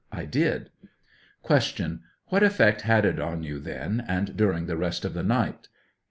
I did. Q. What effect had it on you then and during the rest of the night?